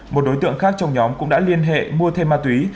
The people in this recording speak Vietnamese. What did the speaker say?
một đối tượng khác trong nhóm cũng đã liên hệ mua thêm ma túy